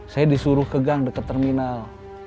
saya disuruh ke gang dekat terminal